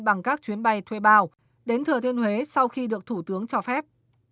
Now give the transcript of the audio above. bằng các chuyến bay thuê bao đến thừa thiên huế sau khi được thủ tướng cho phép